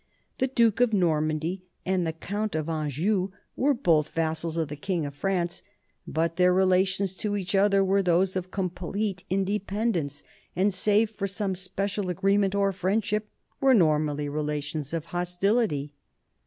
The duke of Normandy and the count of Anjou were both vassals of the king of France, but their relations to each other were those of complete independence, and, save for some special agreement or friendship, were normally relations of hostility.